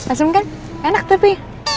asem kan enak tapi